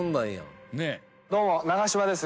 どうも長嶋です。